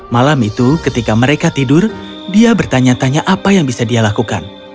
malam itu ketika mereka tidur dia bertanya tanya apa yang bisa dia lakukan